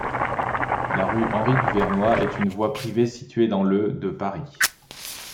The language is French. La rue Henri-Duvernois est une voie privée située dans le de Paris.